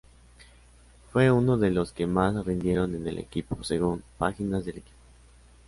Fue uno de los que más rindieron en el equipo según páginas del equipo.